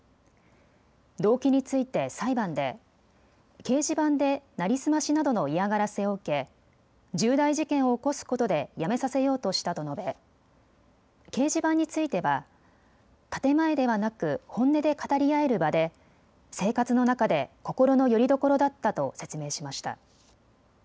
動機について裁判で掲示板で成り済ましなどの嫌がらせを受け重大事件を起こすことでやめさせようとしたと述べ掲示板については建て前ではなく本音で語り合える場で生活の中で心のよりどころだったと説明しました。